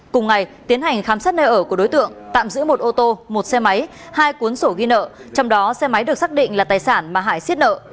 cùng ngày tiến hành khám xét nơi ở của đối tượng tạm giữ một ô tô một xe máy hai cuốn sổ ghi nợ trong đó xe máy được xác định là tài sản mà hải xiết nợ